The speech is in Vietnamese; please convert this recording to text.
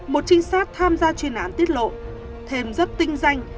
một trinh sát tham gia chuyên án tiết lộ thêm rất tinh danh